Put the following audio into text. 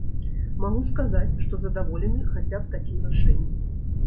Магу сказаць, што задаволены хаця б такім рашэннем.